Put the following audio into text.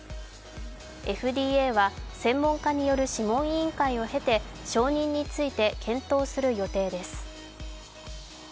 ＦＤＡは専門家による諮問委員会を経て承認について検討する予定です。